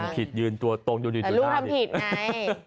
ทำผิดยืนตัวตรงอยู่ดีดูหน้าดิแต่ลูกทำผิดไง